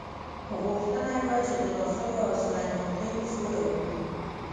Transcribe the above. غوښتنه یې وه چې د ناصرو او سلیمان خېلو سوله وکړي.